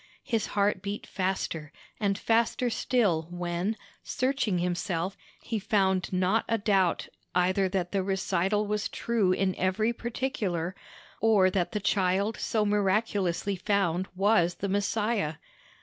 His heart beat fast—and faster still when, searching himself, he found not a doubt either that the recital was true in every particular, or that the Child so miraculously found was the Messiah.